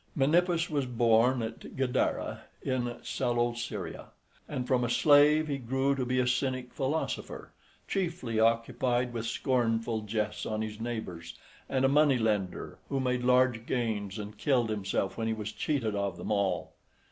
Menippus was born at Gadara in Coele Syria, and from a slave he grew to be a Cynic philosopher, chiefly occupied with scornful jests on his neighbours, and a money lender, who made large gains and killed himself when he was cheated of them all.